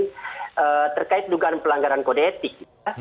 yang terkait dugaan pelanggaran kode etik